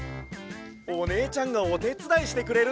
おねえちゃんがおてつだいしてくれるんだね！